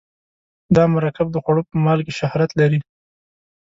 دا مرکب د خوړو په مالګې شهرت لري.